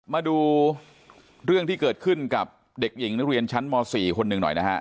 มาดูเรื่องที่เกิดขึ้นกับเด็กหญิงนักเรียนชั้นม๔คนหนึ่งหน่อยนะฮะ